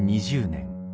２０２０年。